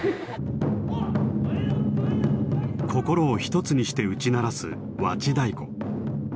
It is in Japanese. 心を一つにして打ち鳴らす和知太鼓。